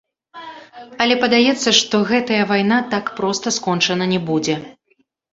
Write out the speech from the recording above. Але, падаецца, што гэтая вайна так проста скончана не будзе.